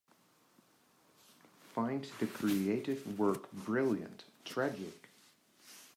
Find the creative work Brilliant! Tragic!